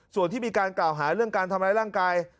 ส่วนที่มีการกล่าวหาเรื่องการทำร้ายร่างกาย